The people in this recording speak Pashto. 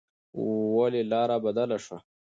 ولې لار بدله شوه؟